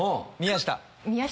宮下。